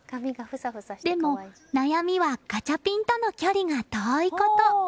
でも、悩みはガチャピンとの距離が遠いこと。